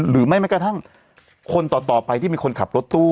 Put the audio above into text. หรือไม่กระทั่งคนต่อไปที่มีคนขับรถตู้